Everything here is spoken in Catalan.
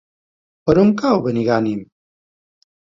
Per on cau Benigànim?